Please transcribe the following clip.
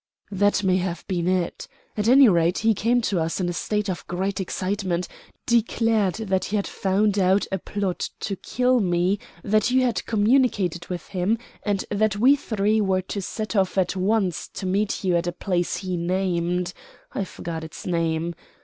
"That may have been it. At any rate he came to us in a state of great excitement, declared that he had found out a plot to kill me, that you had communicated with him, and that we three were to set off at once to meet you at a place he named; I forget its name.